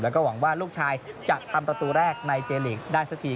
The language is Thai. และก็หวังว่าลูกชายจะทำตัวตัวแรกในเจรีย์ลีกได้สักที